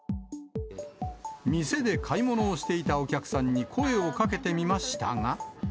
店で買い物をしていたお客さんに声をかけてみましたが。